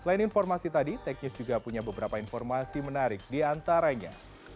selain informasi tadi tech news juga punya beberapa informasi menarik di antaranya